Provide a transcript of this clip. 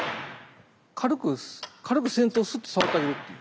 軽く先頭をスッて触ってあげるっていう。